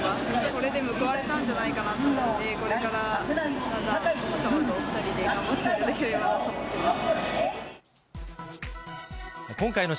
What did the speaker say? これで報われたんじゃないかと思うので、これから奥様とお２人で頑張っていただければなと思ってます。